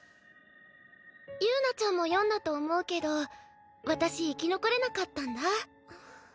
友奈ちゃんも読んだと思うけど私生き残れなかったんだ。